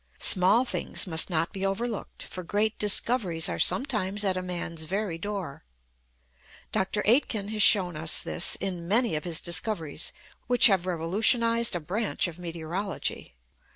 Small things must not be overlooked, for great discoveries are sometimes at a man's very door. Dr. Aitken has shown us this in many of his discoveries which have revolutionised a branch of meteorology.